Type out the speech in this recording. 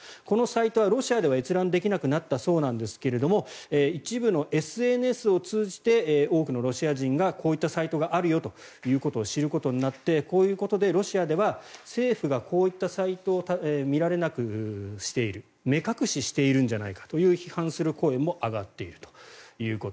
このサイトはロシアでは閲覧できなくなったそうですが一部のＳＮＳを通じて多くのロシア人がこういったサイトがあるよということを知ることになってこういうことでロシアでは政府がこういったサイトを見られなくしている目隠ししているんじゃないかと批判する声も上がっていると。